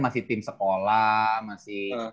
masih tim sekolah masih